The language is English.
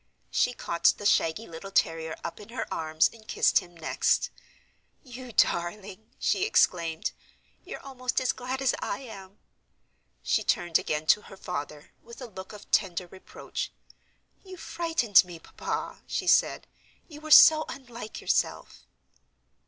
She caught the shaggy little terrier up in her arms and kissed him next. "You darling," she exclaimed, "you're almost as glad as I am!" She turned again to her father, with a look of tender reproach. "You frightened me, papa," she said. "You were so unlike yourself."